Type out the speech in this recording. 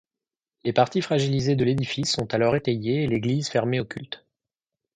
Les parties fragilisées de l'édifice sont alors étayées et l'église fermée au culte.